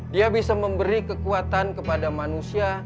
dia bisa memberi kekuatan kepada manusia